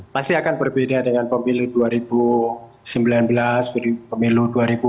pasti akan berbeda dengan pemilu dua ribu sembilan belas pemilu dua ribu dua puluh